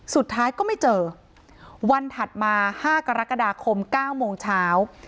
สุดท้ายก็ไม่เจอวันถัดมา๕กรกฎาคม๙โมงเช้า